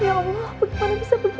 ya allah bagaimana bisa begitu